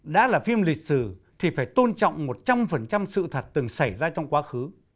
đã là phim lịch sử thì phải tôn trọng một trăm linh sự thật từng xảy ra trong quá khứ